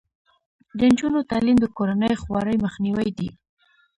د نجونو تعلیم د کورنۍ خوارۍ مخنیوی دی.